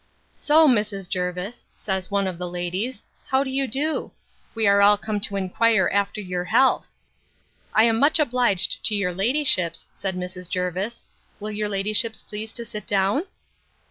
So Mrs. Jervis, says one of the ladies, how do you do? We are all come to inquire after your health. I am much obliged to your ladyships, said Mrs. Jervis: Will your ladyships please to sit down?